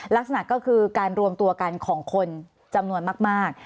ลักษณะก็คือการรวมตัวกันของคนจำนวนมาก